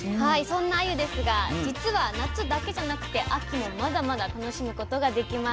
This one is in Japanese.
そんなあゆですが実は夏だけじゃなくて秋もまだまだ楽しむことができます。